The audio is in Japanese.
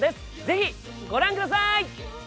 ぜひご覧ください